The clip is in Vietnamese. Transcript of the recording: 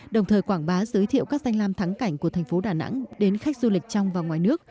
đồng thời quảng bá giới thiệu các danh lam thắng cảnh của thành phố đà nẵng đến khách du lịch trong và ngoài nước